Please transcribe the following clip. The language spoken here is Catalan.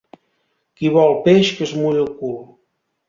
Qui vol peix que es mulli el cul